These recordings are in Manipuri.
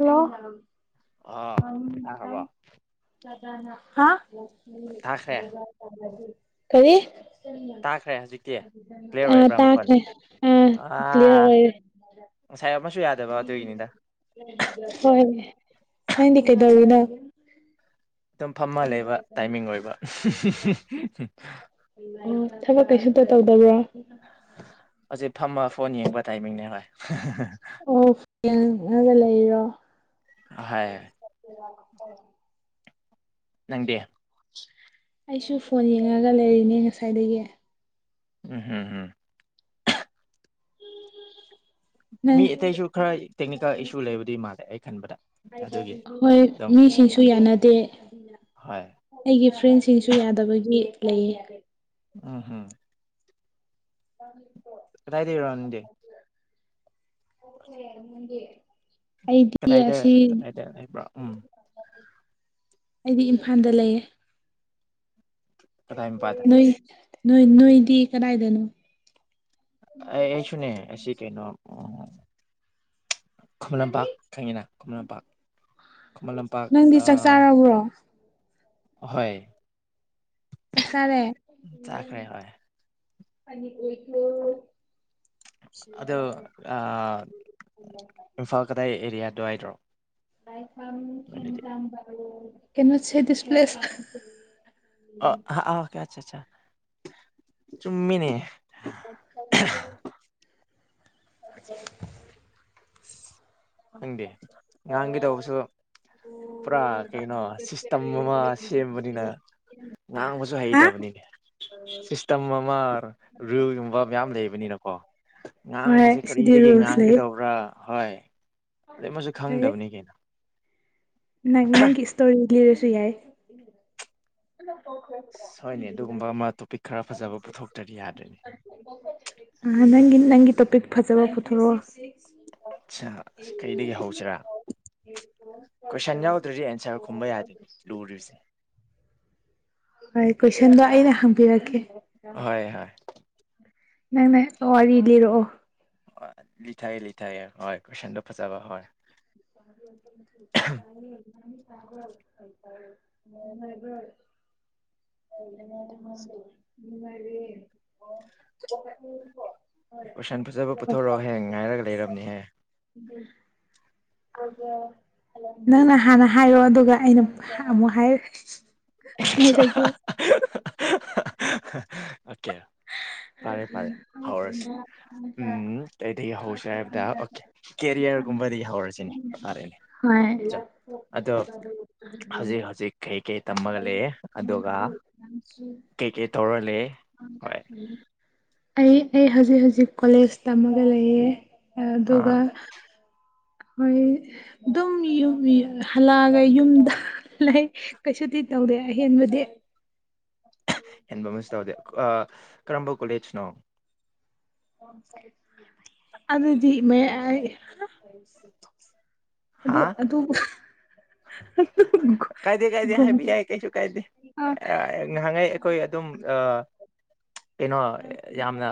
ꯂ ꯑꯕ ꯍꯥ ꯇꯥꯈ꯭ꯔꯦ ꯀꯔꯤ ꯇꯥꯈ꯭ꯔꯦ ꯍꯧꯖꯤꯛꯇꯤ ꯀ꯭ꯂꯤꯌꯥꯔ ꯑ ꯑꯣꯏꯕ꯭ꯔꯥ ꯃꯈꯣꯟ ꯇꯥꯈ꯭ꯔꯦ ꯑꯥ ꯑ ꯀ꯭ꯂꯤꯌꯥꯔ ꯑꯣꯏꯔꯦ ꯉꯁꯥꯏ ꯑꯃꯁꯨ ꯌꯥꯗꯕ ꯑꯗꯨꯒꯤꯅꯤꯗ ꯍꯣꯏ ꯅꯪꯗꯤ ꯀꯩꯗꯧꯔꯤꯅꯣ ꯑꯗꯨꯝ ꯐꯝꯃ ꯂꯩꯕ ꯇꯥꯏꯃꯤꯡ ꯑꯣꯏꯕ ꯎ ꯊꯕꯛ ꯀꯩꯁꯨꯨꯝꯇ ꯇꯧꯗꯕ꯭ꯔꯣ ꯍꯧꯖꯤꯛ ꯐꯝꯃ ꯐꯣꯟ ꯌꯦꯡꯕ ꯇꯥꯏꯃꯤꯡꯅꯦ ꯍꯣꯏ ꯑꯣ ꯐꯡꯉꯒ ꯂꯩꯔꯣ ꯍꯣꯏ ꯎ ꯇ ꯅꯪꯗꯦ ꯑꯩꯁꯨ ꯐꯣꯟ ꯌꯦꯡꯉꯒ ꯂꯩꯔꯤꯅꯦ ꯉꯁꯥꯏꯗꯒꯤ ꯎꯝ ꯍꯝ ꯅꯪ ꯃꯤ ꯑꯇꯩꯁꯨ ꯈꯔ ꯇꯦꯛꯅꯤꯀꯦꯜ ꯏꯁꯨ ꯂꯩꯕꯗꯤ ꯃꯥꯜꯂꯦ ꯑꯩ ꯈꯟꯕꯗ ꯑꯗꯨꯒꯤ ꯍꯣꯏ ꯑꯗꯨꯝ ꯃꯤꯁꯤꯡꯁꯨ ꯌꯥꯅꯗꯦ ꯍꯣꯏ ꯁꯤꯡꯁꯨ ꯌꯥꯗꯕꯒꯤ ꯂꯩꯌꯦ ꯎ ꯍꯝ ꯑ ꯀꯗꯥꯏꯗꯩꯔꯣ ꯅꯪꯗꯤ ꯔꯂꯦ ꯌꯥꯔ ꯃꯗꯤꯦ ꯀꯗꯥꯏꯗ ꯀꯗꯥꯏꯗ ꯍꯥꯏꯕ꯭ꯔꯥ ꯎꯝ ꯑꯩꯗꯤ ꯏꯝꯐꯥꯜꯗ ꯂꯩꯌꯦ ꯀꯗꯥꯏ ꯃꯄꯥꯗ ꯅꯣꯏ ꯅꯣꯏ ꯅꯣꯏꯗꯤ ꯀꯗꯥꯏꯗꯅꯣ ꯑꯩꯁꯨꯅꯦ ꯑꯁꯤꯁꯤ ꯀꯩꯅꯣ ꯈꯨꯃꯟ ꯂꯝꯄꯥꯛ ꯈꯪꯉꯤꯅ ꯈꯨꯃꯟ ꯂꯝꯄꯥꯛ ꯈꯨꯃꯟ ꯂꯝꯄꯥꯛ ꯅꯪꯗꯤ ꯆꯥꯛ ꯆꯥꯔꯕ꯭ꯔꯣ ꯍꯣꯏ ꯐꯛꯁꯔꯦ ꯍꯣꯏ ꯑꯅꯤ ꯏꯂ ꯑꯗꯣ ꯑ ꯏꯝꯐꯥꯜ ꯀꯗꯥꯥꯏ ꯑꯦꯔꯤꯌꯥ ꯑꯗꯨꯋꯥꯏꯗꯔꯣ [unintelligible] ꯀꯝ ꯁꯃꯤ ꯀꯝ ꯀꯔ [inaudible] [unintelligible] ꯀꯩꯅꯣꯁꯦ ꯗꯤꯁꯄ꯭ꯂꯦꯁ ꯑ [inaudible] [unintelligible] ꯆꯥ ꯆꯨꯝꯃꯤꯅꯤ ꯖꯦ [inaudible] [unintelligible] ꯈꯪꯗꯦ ꯉꯥꯡꯒꯦ ꯇꯧꯕꯁꯨ ꯄꯨꯔꯥ ꯀꯩꯅꯣ ꯁꯤꯁꯇꯝ ꯑꯃ ꯁꯦꯝꯕꯅꯤꯅ ꯉꯥꯡꯕꯁꯨ ꯍꯥ ꯍꯩꯇꯕꯅꯤꯅꯦ ꯁꯤꯁꯇꯝ ꯑꯃ ꯔꯤꯌꯨꯜꯒꯨꯝꯕ ꯃꯌꯥꯝ ꯂꯩꯕꯅꯤꯅꯀꯣ ꯉꯥꯡꯕꯁꯦ ꯍꯣꯏ ꯁꯤꯗꯤ ꯀꯔꯤꯗꯒꯤ ꯔꯨꯜꯁ ꯂꯩ ꯉꯥꯡꯒꯗꯧꯕ꯭ꯔꯥ ꯍꯣꯏ ꯑꯗꯩ ꯃꯁꯨ ꯈꯪꯗꯕꯅꯤꯅꯦ ꯅꯪ ꯅꯪ ꯅꯪꯒꯤ ꯏꯁꯇꯣꯔꯤ ꯂꯤꯔꯖꯨ ꯁꯨ ꯌꯥꯏ ꯍꯣꯏꯅꯦ ꯑꯗꯨꯒꯨꯝꯕ ꯑꯃ ꯇꯣꯄꯤꯛ ꯈꯔ ꯐꯖꯕ ꯄꯨꯊꯣꯛꯇꯔꯤ ꯌꯥꯗꯔ꯭ꯦꯅꯦ ꯑ ꯅꯪꯒꯤ ꯅꯪꯒꯤ ꯇꯣꯄꯤꯛ ꯐꯖꯕ ꯄꯨꯊꯣꯔꯛꯑꯣ ꯑ ꯑꯁ ꯀꯩꯗꯒꯤ ꯍꯧꯁꯤꯔꯥ ꯀꯣꯏꯁꯟ ꯌꯥꯎꯗ꯭ꯔꯗꯤ ꯑꯦꯟꯁꯔ ꯈꯨꯝꯕ ꯌꯥꯗꯦ ꯂꯨꯔꯤꯁꯦ ꯍꯣꯏ ꯀꯣꯏꯁꯟꯗꯣ ꯑꯩꯅ ꯍꯪꯕꯤꯔꯛꯀꯦ ꯍꯣꯏ ꯍꯣꯏ ꯅꯪꯅ ꯋꯥꯔꯤ ꯂꯤꯔꯛꯑꯣ ꯂꯤꯊꯥꯒꯦ ꯂꯤꯊꯥꯒꯦ ꯍꯣꯏ ꯀꯣꯏꯁꯟꯗꯣ ꯐꯖꯕ ꯍꯣꯏ [inaudible] [unintelligible] ꯕꯦ [inaudible] [unintelligible] [inaudible] [unintelligible] ꯀꯣꯏꯁꯟ ꯐꯖꯕ ꯄꯨꯊꯣꯔꯛꯑꯣ ꯍꯦ ꯉꯥꯏꯔꯒ ꯂꯩꯔꯝꯅꯤꯍꯦ ꯅꯪꯅ ꯍꯥꯟꯅ ꯍꯥꯏꯔꯣ ꯑꯗꯨꯒ ꯑꯩꯅ ꯑꯃꯨꯛ ꯍꯥꯏꯔꯛ [inaudible] [unintelligible] ꯑꯣꯀꯦ [inaudible] [unintelligible] ꯎ ꯀꯩꯗꯒꯤ ꯍꯧꯁꯤꯔ ꯍꯥꯏꯕꯗ ꯑꯣꯀꯦ ꯀꯦꯔꯤꯌꯔ ꯨꯒꯨꯝꯕꯗꯒꯤ ꯍꯧꯔꯁꯤꯅꯦ ꯐꯔꯦꯅꯦ ꯍ [inaudible] ꯆꯣ [unintelligible] ꯑꯗꯣ ꯍꯧꯖꯤꯛ ꯍꯧꯖꯤꯛ ꯀꯩꯀꯩ ꯇꯝꯃꯒ ꯂꯩꯑꯦ ꯑꯗꯨꯒ ꯀꯩ ꯀꯩ ꯇꯧꯔ ꯂꯩꯌꯦ ꯍꯣꯏ ꯑꯩ ꯑꯩ ꯍꯧꯖꯤꯛ ꯍꯧꯖꯤꯛ ꯀꯣꯂꯦꯖ ꯇꯝꯃꯒ ꯂꯩꯌꯦ ꯑꯥ ꯑꯗꯨꯒꯒ ꯍꯣꯏ ꯑꯗꯨꯝ ꯍꯜꯂꯛꯑꯒ ꯌꯨꯝꯗ ꯂꯩ ꯀꯩꯁꯨꯗꯤ ꯇꯧꯗꯦ ꯑꯍꯦꯟꯕꯗꯤ ꯍꯦꯟꯕ ꯑꯃꯁ ꯇꯧꯗꯦ ꯀꯔꯝꯕ ꯀꯣꯂꯦꯖꯅꯣ ꯑꯗꯨꯗꯤ ꯃꯌꯥꯏ ꯑꯗꯨ ꯍꯥ ꯑꯗꯨ ꯀꯥꯏꯗꯦ ꯀꯥꯏꯗꯦ ꯒꯨꯝ ꯍꯥꯏꯕ ꯌꯥꯏ ꯀꯩꯁꯨ ꯀꯥꯏꯗꯦ ꯑꯥ ꯅꯍꯟꯒꯩ ꯑꯩꯈꯣꯏ ꯑꯗꯨꯝ ꯀꯩꯅꯣ ꯌꯥꯝꯅ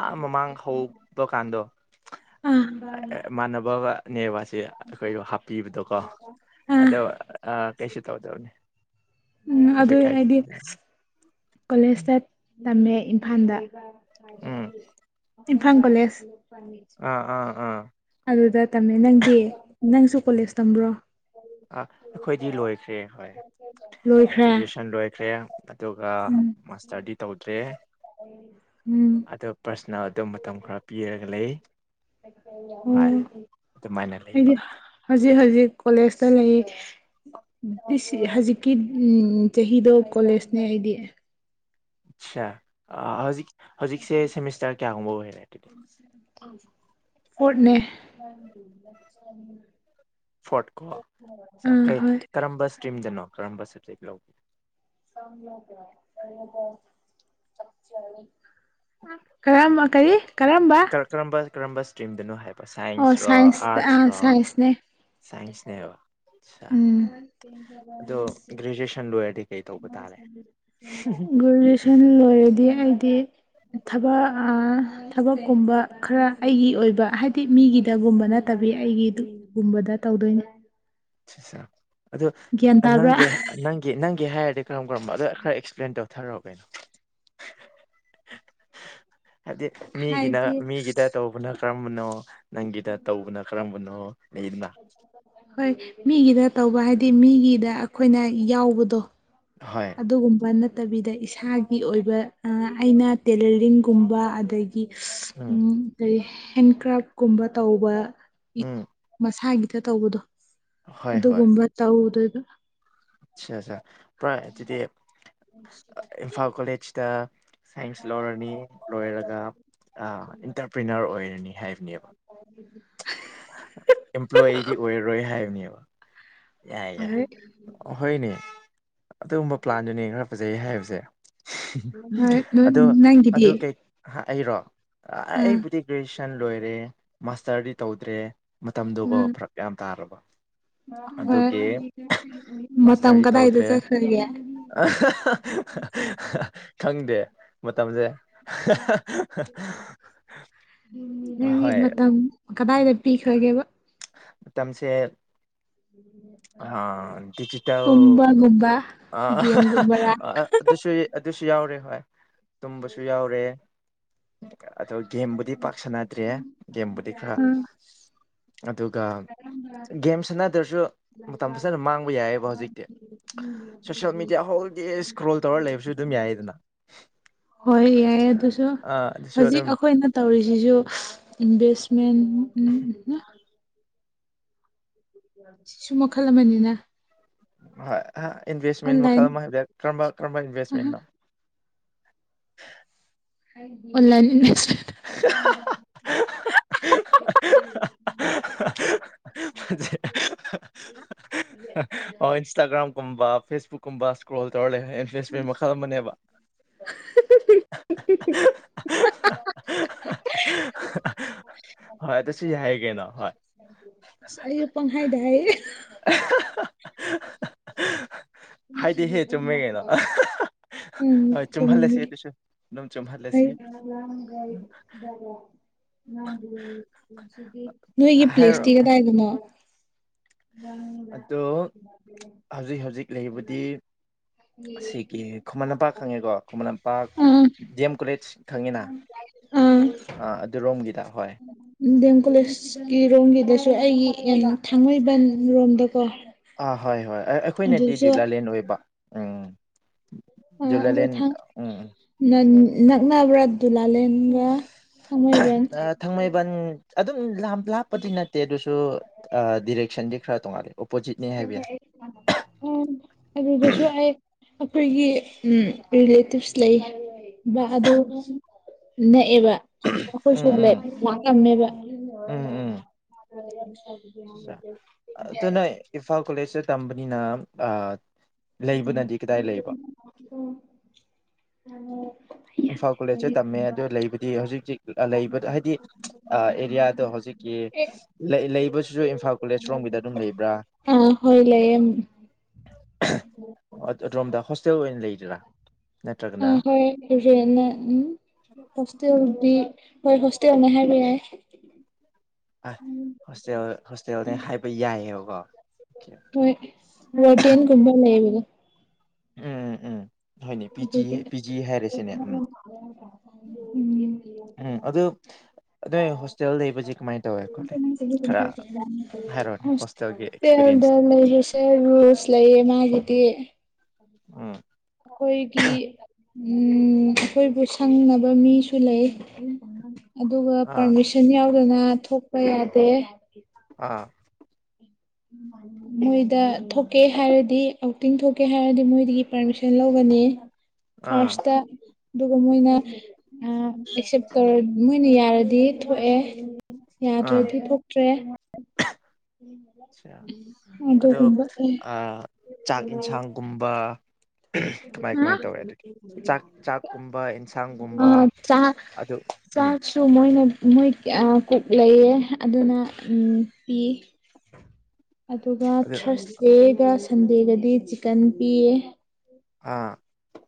ꯑ ꯃꯃꯥꯡ ꯍꯧꯕ ꯀꯥꯟꯗꯣ ꯑꯥ ꯃꯥꯅ ꯕꯕ ꯅꯦꯕꯥꯁꯦ ꯑꯩꯈꯣꯏꯕꯨ ꯍꯥꯞꯄꯤꯕꯗꯀꯣ ꯑꯥ ꯑꯗꯨ ꯑ ꯀꯩꯁꯤ ꯇꯧꯗꯕꯅꯦ ꯎꯝ ꯑꯗꯨ ꯑꯩꯗꯤ ꯀꯣꯂꯦꯁꯇ ꯇꯝꯃꯦ ꯏꯝꯐꯥꯜꯗ ꯎꯝ [unintelligible] ꯏꯝꯐꯥꯥꯜ ꯀꯣꯂꯦꯖ ꯑꯥ ꯑ ꯑꯥ ꯑꯗꯨꯗ ꯇꯝꯃꯦ ꯅꯪꯗꯤ ꯅꯪꯁꯨ ꯀꯣꯂꯦꯖ ꯇꯝꯕ꯭ꯔꯣ ꯑꯩꯈꯣꯏꯗꯤ ꯂꯣꯏꯈ꯭ꯔꯦ ꯍꯣꯏ ꯂꯣꯏꯈ꯭ꯔꯦ ꯒ꯭ꯔꯦꯖꯨꯑꯦꯁꯟ ꯂꯣꯏꯈ꯭ꯔꯦ ꯑꯗꯨꯒ ꯎꯝ ꯃꯥꯁꯇꯔꯗꯤ ꯇꯧꯗ꯭ꯔꯦ ꯎꯝ ꯑꯗꯨ ꯄꯔꯁꯅꯦꯜ ꯑꯗꯨ ꯃꯇꯝ ꯈꯔ ꯄꯤꯔꯒ ꯂꯩ ꯑꯣ ꯍꯥꯏ ꯑꯗꯨꯃꯥꯏꯅ ꯂꯩꯕ ꯑꯩꯗꯤ ꯍꯧꯖꯤꯛ ꯍꯧꯖꯤꯛ ꯀꯣꯂꯦꯖꯇ ꯂꯩ ꯍꯧꯖꯤꯛꯀꯤ ꯆꯍꯤꯗꯣ ꯀꯣꯂꯦꯖꯅꯦ ꯑꯩꯗꯤ ꯑꯆꯥ ꯑ ꯍꯧꯖꯤꯛ ꯍꯧꯖꯤꯛꯁꯦ ꯁꯦꯃꯤꯁꯇꯔ ꯀꯌꯥꯒꯨꯝꯕ ꯑꯣꯏꯔꯦ ꯑꯗꯨ [unintelligible] ꯐꯣꯠꯅꯦ ꯐꯣꯔꯠ ꯀꯣ ꯀꯩ ꯍꯣꯏ ꯀꯔꯝꯕ ꯏꯁꯇ꯭ꯔꯤꯝꯗꯅꯣ ꯀꯔꯝꯕ ꯂꯧꯒꯦ [unintelligible] ꯀꯔꯝꯕ ꯀꯔꯤ ꯀꯔꯝꯕ ꯀꯔꯝꯕ ꯀꯔꯝꯕ ꯏꯁ꯭ꯇ꯭ꯔꯤꯗꯅꯣ ꯍꯥꯏꯕ ꯑꯣ ꯁꯥꯏꯟꯁꯔꯣ ꯁꯥꯏ ꯑ ꯑꯥꯔꯠꯁꯔꯣ ꯁꯥꯏꯁꯅꯦ ꯁꯥꯏꯟꯁꯅꯦꯕ ꯑ ꯎꯝ ꯑꯗꯣ ꯒ꯭ꯔꯦꯖꯨꯑꯦꯁꯟ ꯂꯣꯏꯔꯗꯤ ꯀꯩ ꯇꯧꯕ ꯇꯥꯔꯦ ꯒ꯭ꯔꯦꯖꯨꯋꯦꯁꯟ ꯂꯣꯏꯔꯗꯤ ꯑꯩꯗꯤ ꯊꯕꯛ ꯊꯕꯛꯀꯨꯝꯕ ꯈꯔ ꯑꯩꯒꯤ ꯑꯣꯏꯕ ꯍꯥꯏ ꯃꯤ ꯃꯤꯒꯤꯗꯒꯨꯝꯕ ꯅꯠꯇꯕꯤ ꯑꯩꯒꯤꯗꯨꯒꯨꯝꯕꯗ ꯇꯧꯗꯣꯏꯅꯦ ꯁꯤꯁꯦ ꯑꯗꯣ ꯒ꯭ꯌꯥꯟ ꯇꯥꯕ꯭ꯔꯥ ꯅꯪꯒꯤ ꯅꯪꯒꯤ ꯅꯪꯒꯤ ꯍꯥꯏꯔꯗꯤ ꯀꯔꯝ ꯀꯔꯝꯕ ꯑꯗꯣ ꯈꯔ ꯑꯦꯛꯁꯄ꯭ꯂꯦꯟ ꯇꯧꯊꯔꯛꯣ ꯀꯩꯅꯣ ꯍꯥꯏꯕꯗꯤ ꯃꯤꯒꯤꯅ ꯍꯥꯏꯗꯤ ꯃꯤꯒꯤꯗ ꯇꯧꯕꯅ ꯇꯝꯅꯣ ꯅꯪꯒꯤꯗ ꯇꯧꯕꯅ ꯀꯔꯝꯕꯅꯣ ꯂꯩꯗꯅ ꯍ ꯍꯣꯏ ꯃꯤꯒꯤꯗ ꯇꯧꯕ ꯍꯥꯏꯗꯤ ꯃꯤꯒꯤꯗ ꯑꯩꯈꯣꯏꯅ ꯌꯥꯎꯕꯗꯣ ꯍꯣꯏ ꯑꯗꯨꯒꯨꯝꯕꯅ ꯅꯠꯇꯕꯤꯗ ꯏꯁꯥꯒꯤ ꯑꯣꯏꯕ ꯑꯩꯅ ꯇꯦꯂꯔꯤꯡꯒꯨꯝꯕ ꯑꯗꯒꯤ ꯎꯝ ꯀꯔꯤ ꯍꯦꯟꯀ꯭ꯔꯥꯐꯀꯨꯝꯕ ꯇꯧꯕ ꯏ ꯎꯝ ꯃꯁ ꯍꯥꯏꯒꯤ ꯈꯤꯇ ꯇꯧꯕꯗꯣ ꯑꯗꯨꯒꯨꯝꯕ ꯇꯎꯗ ꯎ ꯑꯆꯥꯆꯥ ꯄ ꯑꯗꯨꯗꯤ ꯏꯝꯐꯥꯜ ꯀꯣꯂꯦꯖꯇ ꯑ ꯁꯥꯏꯟꯁ ꯂꯧꯔꯅꯤ ꯂꯣꯏꯔꯒ ꯏꯟꯇꯔꯄ꯭ꯔꯤꯅꯔ ꯑꯣꯏꯔꯅꯤ ꯍꯥꯏꯕꯅꯦꯕ ꯑꯝꯄ꯭ꯂꯣꯏꯌꯤꯗꯤ ꯑꯣꯏꯔꯔꯣꯏ ꯍꯥꯏꯕꯅꯦꯕ ꯌꯥꯏ ꯌꯥꯏ ꯍꯣꯏ ꯍꯅꯦ ꯑꯗꯨꯒꯨꯝꯕ ꯄ꯭ꯂꯥꯟꯗꯨꯅꯦ ꯈꯔ ꯐꯖꯩ ꯍꯥꯏꯕꯁꯦ ꯍꯣꯏ ꯅꯣꯏ ꯑꯗꯣ ꯅꯪꯒꯤꯗꯤ ꯑꯗꯨ ꯀꯩ ꯑꯩꯔꯣ ꯑꯥ ꯑꯩꯕꯨꯗꯤ ꯭ꯔꯦꯖꯨꯋꯌꯦꯁꯟ ꯂꯣꯏꯔꯦ ꯃꯥꯁꯇꯔꯗꯤ ꯇꯧꯗ꯭ꯔꯦ ꯃꯇꯝꯗꯨꯒꯣ ꯎꯝ ꯐꯔꯛ ꯌꯥꯝ ꯇꯥꯔꯕ ꯍꯣꯏ ꯑꯗꯨꯒꯤ ꯃꯇꯝ ꯃꯥꯁꯇꯔꯤ ꯀꯗꯥꯏꯗ ꯇꯧꯗ꯭ꯔꯦ ꯆꯠꯈ꯭ꯔꯒꯦ ꯈꯪꯗꯦ ꯃ ꯃꯥꯇꯝꯖꯦ ꯅꯪꯒꯤ ꯃꯇꯝ ꯀꯗꯥꯏꯗ ꯄꯤꯈ꯭ꯔꯒꯦꯕ ꯃꯇꯝꯁꯦ ꯑ ꯗꯤꯖꯤꯇꯦꯜ ꯇꯨꯝꯕꯒꯨꯝꯕ ꯑ ꯒꯦꯝꯒꯨꯝꯕꯔ ꯑꯗꯨꯁꯨ ꯑꯗꯨꯁꯨ ꯌꯥꯎꯔꯦ ꯍꯣꯏ ꯇꯨꯝꯕꯁꯨ ꯌꯥꯎꯔꯦ ꯑꯗꯣ ꯒꯦꯝꯕꯨꯗꯤ ꯄꯥꯛ ꯁꯅꯗ꯭ꯔꯦ ꯒꯦꯝꯕꯨꯗꯤ ꯈꯔ ꯎꯝ ꯑꯗꯨꯒ ꯒꯦꯝ ꯍꯣꯏ ꯁꯥꯟꯅꯗ꯭ꯔꯁꯨ ꯃꯇꯝ ꯐꯖꯅ ꯃꯥꯡꯕ ꯌꯥꯏꯑꯕ ꯌꯥꯏ ꯍꯧꯖꯤꯛꯇꯤ ꯁꯣꯁꯦꯜ ꯃꯦꯗꯤꯌꯥ ꯍꯣꯜ ꯗꯦ ꯑꯗꯨꯁꯨ ꯏꯁꯀ꯭ꯔꯣꯜ ꯇꯧꯔ ꯂꯩꯕꯁꯨ ꯑꯗꯨꯝ ꯌꯥꯏꯗꯅ ꯍꯧꯖꯤꯛ ꯑꯥ ꯑꯩꯈꯣꯏꯅ ꯑꯗꯨꯁꯨ ꯑꯗꯨꯝ ꯇꯧꯔꯤꯁꯤꯁꯨ ꯏꯟꯚꯦꯁꯃꯦꯟ ꯎꯝ ꯁꯤꯁꯨ ꯃꯈꯜ ꯑꯃꯅꯤꯅ ꯍꯣꯏ ꯏꯟꯚꯦꯁꯃꯦꯟ ꯑꯣꯟꯂꯥꯏꯟ ꯃꯈꯜ ꯑꯃ ꯍꯥꯏꯕ ꯀꯔꯝꯕ ꯀꯔꯝꯕ ꯏꯟꯚꯦꯁꯃꯦꯟꯅꯣ ꯑꯣꯟꯂꯥꯏꯟ [unintelligible] [unintelligible] ꯀꯔꯤ ꯐꯦꯁꯕꯨꯛꯀꯨꯝꯕꯥ ꯁꯀ꯭ꯔꯣꯜ ꯇꯧꯔ ꯂꯩ ꯏꯟꯚꯦꯁꯃꯦꯟ ꯃꯈꯜ ꯑꯃꯅꯦꯕ ꯍꯣꯏ ꯑꯗꯨꯁꯨ ꯌꯥꯏꯌꯦ ꯀꯩꯅꯣ ꯍꯣꯏ ꯑꯁ ꯑꯩꯁꯨ ꯄꯪꯍꯥꯏꯗ ꯍꯥꯏꯌꯦ [unintelligible] ꯍꯥꯏꯗꯤꯍꯦ ꯆꯨꯝꯃꯦ ꯀꯩꯅꯣ ꯎꯝ ꯍꯣꯏ ꯆꯨꯝꯍꯜꯂꯁꯤ ꯆꯨꯝꯃꯤ ꯑꯗꯨꯁꯨ ꯑꯗꯨꯝ ꯆꯨꯝꯍꯜꯂꯁꯤ ꯅꯣꯏꯒꯤ ꯍꯥꯏꯔꯣ ꯄ꯭ꯂꯦꯁꯇꯤ ꯀꯗꯥꯏꯗꯅꯣ ꯑꯗꯣ ꯍꯧꯖꯤꯛ ꯍꯧꯖꯤꯛ ꯂꯩꯕꯨꯗꯤ ꯁꯤꯒꯤ ꯈꯨꯃꯟ ꯂꯝꯄꯥꯛ ꯈꯪꯉꯦꯀꯣ ꯈꯨꯃꯟ ꯂꯝꯄꯥꯛ ꯑꯥ ꯗꯤ ꯑꯦꯝ ꯀꯣꯂꯦꯖ ꯈꯪꯉꯤꯅ ꯑꯥ ꯑꯗꯨ ꯔꯣꯝꯒꯤꯗ ꯍꯣꯏ ꯗꯤ ꯑꯦꯝ ꯀꯣꯂꯦꯖꯀꯤ ꯔꯣꯝꯒꯤꯗꯁꯨ ꯑꯩꯒꯤ ꯑꯦꯝ ꯊꯥꯡꯃꯩꯕꯟ ꯔꯣꯝꯗꯀꯣ ꯑꯥ ꯍꯣꯏ ꯍꯣꯏ ꯑꯩꯈꯣꯏꯅꯗꯤ ꯑꯗꯨꯁꯨ ꯗꯤꯋꯂꯦꯟ ꯑꯣꯏꯕ ꯎꯝ ꯑꯗꯨ ꯖꯨꯂꯥꯂꯦꯟ ꯊꯥꯡ ꯎꯝ ꯎꯝ. ꯉꯟ ꯅꯛꯅꯕ꯭ꯔꯥ ꯗꯨꯂꯥ ꯂꯦꯟꯒ ꯊꯥꯡꯃꯩꯕꯟ ꯑꯥ, ꯊꯥꯡꯃꯩꯕꯟ ꯑꯗꯨꯝ ꯂꯥꯞꯄꯗꯤ ꯅꯠꯇꯦ ꯑꯗꯨꯁꯨ ꯗꯤꯔꯦꯛꯁꯟꯗꯤ ꯈꯔ ꯇꯣꯡꯉꯥꯟꯂꯦ ꯑꯗꯨꯗꯁꯨ ꯑꯩꯈꯣꯏꯒꯤ ꯎꯝ ꯔꯤꯂꯦꯇꯤꯞꯁ ꯂꯩ ꯑ ꯈꯨꯨꯂꯦ ꯂꯝ ꯎꯝ ꯎꯝ ꯑ ꯎꯝ ꯎꯝ [unintelligible] ꯏꯐꯥꯜ ꯀꯂꯦꯁ ꯇꯝꯕꯅꯤꯅ ꯑ ꯎꯝ ꯑ ꯏꯝꯐꯥꯜ ꯀꯣꯂꯦꯖꯁꯦ ꯇꯝꯃꯦ ꯑꯗꯨ ꯂꯩꯕꯗꯤ ꯍꯧꯖꯤꯛ ꯍꯧꯖꯤꯛ ꯂꯩꯕꯗ ꯍꯥꯏꯗꯤ ꯑꯦꯔꯤꯌꯥꯗꯣ ꯍꯧꯖꯤꯛꯀꯤ ꯂꯩꯁꯨ ꯁꯨ ꯏꯝꯐꯜ ꯑꯥ ꯍꯣꯏ ꯂꯩ ꯑꯣꯝꯗ ꯍꯣꯁꯇꯦꯜ ꯑꯣꯏꯅ ꯂꯩꯗ꯭ꯔꯥ ꯅꯠꯇ꯭ꯔꯒꯅ ꯑꯥ ꯍꯣꯏ ꯎꯝ ꯐꯁ ꯍꯣꯏ ꯍꯣꯁꯇꯦꯜꯅꯍꯔ ꯂꯩꯔꯦ ꯑ ꯍꯁꯦ ꯍꯣꯁꯇꯦꯜ ꯍꯣꯇꯦꯟ ꯍꯥꯏꯕ ꯌꯥꯏꯑꯕ ꯋꯥ ꯍꯣꯏ ꯔꯇꯍꯦꯟ ꯀꯨꯝꯕ ꯂꯦꯣ ꯎꯝ ꯎꯝ ꯍꯣꯏꯅꯦ ꯄꯤ ꯖꯤ ꯄꯤ ꯖꯤ ꯍꯥꯏꯔꯁꯤꯅꯦ ꯎꯝ ꯎꯝ ꯑꯗꯨ ꯅꯣꯏ ꯍꯣꯁꯇꯦꯜ ꯂꯩꯕꯁꯦ ꯀꯃꯥꯏꯅ ꯇꯧꯋꯦ ꯈꯣꯠꯂꯦ ꯈꯔ ꯍꯥꯏꯔꯛꯑꯣꯅꯦ ꯍꯣꯁꯇꯦꯜꯒꯤ ꯇꯦꯜꯗ ꯑꯦꯛꯁꯄꯤꯔꯤꯌꯦꯟꯁꯇ ꯂꯩꯁꯦ ꯔꯁ ꯂꯩꯌꯦ ꯃꯥꯒꯤꯗꯤ ꯑ ꯑꯩꯈꯣꯏꯒꯤ ꯎꯝ ꯑꯩꯈꯣꯏꯕꯨ ꯁꯪꯅꯕ ꯃꯤꯁꯨ ꯂꯩ ꯑꯗꯨꯒ ꯑꯥ ꯄꯔꯃꯤꯁꯟ ꯌꯥꯎ ꯑꯗꯨꯅ ꯊꯣꯛꯄ ꯌꯥꯗꯦ ꯑꯥ ꯃꯣꯏꯗ ꯊꯣꯛꯀꯦ ꯍꯥꯏꯔꯗꯤ ꯑꯥꯎꯇꯤꯡ ꯊꯣꯛꯀꯦ ꯍꯥꯏꯔꯗꯤ ꯃꯣꯏꯗꯒꯤ ꯄꯥꯔꯃꯤꯁꯟ ꯂꯧꯒꯅꯤ ꯑꯥ ꯐꯥꯔꯁꯇ ꯑꯗꯨꯒ ꯃꯣꯏꯅ ꯑꯦꯛꯁꯦꯞ ꯇꯧꯔ ꯃꯣꯏꯅ ꯌꯥꯔꯗꯤ ꯊꯣꯛꯑꯦ ꯑꯥ ꯌꯥꯗ꯭ꯔꯗꯤ ꯊꯣꯛꯇ꯭ꯔꯦ ꯑ ꯑꯗꯣ ꯑꯗꯨꯒꯨꯝꯕ ꯆꯥꯛ ꯌꯦꯟꯁꯥꯡꯒꯨꯝꯕ ꯀꯃꯥꯏ ꯀꯃꯥꯏ ꯇꯧꯋꯦ ꯑꯗꯨꯗꯤ ꯆꯥꯛ ꯆꯥꯛꯀꯨꯝꯕ ꯑ ꯏꯟꯁꯥꯡꯒꯨꯝꯕ ꯆꯥ ꯑꯗꯨ ꯎꯝ ꯆꯥꯁꯨ ꯃꯣꯏꯅ ꯃꯣꯏ ꯀꯛ ꯂꯩꯌꯦ ꯑꯗꯨꯅ ꯄꯤ ꯑꯗꯨꯒ ꯑꯗꯨ ꯊꯔꯁꯗꯦꯒ ꯁꯟꯗꯦꯒꯗꯤ ꯆꯤꯛꯀꯟ ꯄꯤꯌꯦ ꯑꯥ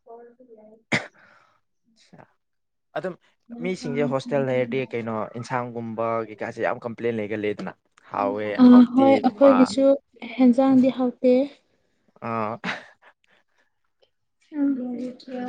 ꯀ ꯊ ꯌꯥꯅꯤ ꯑꯆꯥ ꯑꯗꯨꯝ ꯃꯤꯁꯤꯡꯁꯦ ꯍꯣꯁꯇꯦꯜ ꯂꯩꯔꯗꯤ ꯀꯩꯅꯣ ꯏꯟꯁꯥꯡꯒꯨꯝꯕ ꯀꯩꯀꯥꯁꯦ ꯌꯥꯝ ꯀ ꯄ꯭ꯂ ꯂꯩꯒꯦꯗꯅ ꯑ ꯍꯣꯏ ꯑꯩꯈꯣꯏꯒꯤꯁꯨ ꯍꯦꯟꯁꯥꯡꯗꯤ ꯍꯥꯎꯇꯦ ꯑ ꯍ ꯂꯩ ꯀꯌꯥ